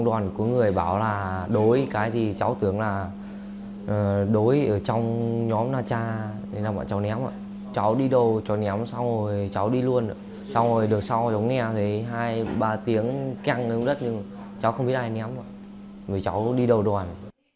xong rồi được sau cháu nghe thấy hai ba tiếng khen ngớm đất nhưng cháu không biết ai ném ạ vì cháu đi đầu đoàn